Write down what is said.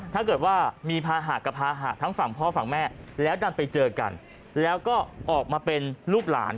ถ้าเกิดว่ามีภาหะกับภาหะทั้งฝั่งพ่อฝั่งแม่แล้วดันไปเจอกันแล้วก็ออกมาเป็นลูกหลาน